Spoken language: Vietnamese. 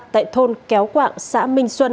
tại thôn kéo quảng xã minh xuân